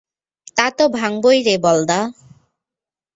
তাতো ভাঙবোই রে, বলদা।